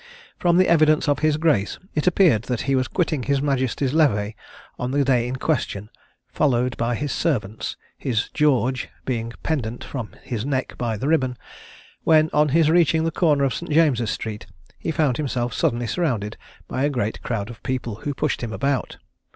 From the evidence of his grace, it appeared that he was quitting his majesty's levee on the day in question, followed by his servants, his "George" being pendent from his neck by the ribbon; when, on his reaching the corner of St. James's street, he found himself suddenly surrounded by a great crowd of people, who pushed him about.